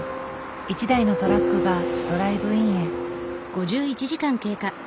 １台のトラックがドライブインへ。